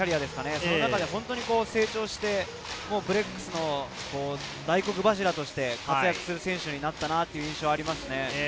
その中で成長をしてブレックスの大黒柱として活躍する選手になったなという印象がありますね。